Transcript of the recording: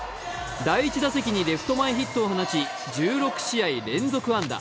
第１打席にレフト前ヒットを放ち１６試合連続安打。